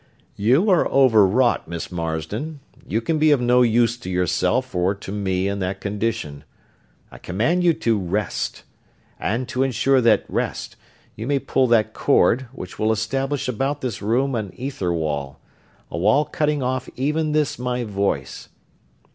"You are over wrought, Miss Marsden. You can be of no use to yourself or to me in that condition. I command you to rest; and, to insure that rest, you may pull that cord, which will establish about this room an ether wall: a wall cutting off even this my voice...."